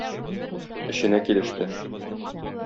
Эченә килеште.